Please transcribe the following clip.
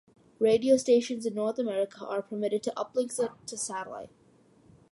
Radio stations in North America are permitted to uplink to satellite.